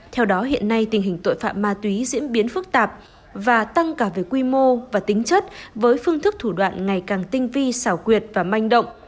theo đó hiện nay tình hình tội phạm ma túy diễn biến phức tạp và tăng cả về quy mô và tính chất với phương thức thủ đoạn ngày càng tinh vi xảo quyệt và manh động